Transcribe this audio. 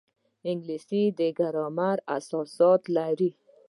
انګلیسي د ګرامر اساسات لري